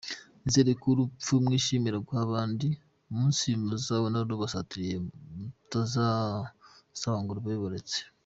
Nizereko urupfu mwishimira guha abandi umunsi muzabona rubasatiriye mutazasaba ngo rube rubaretse?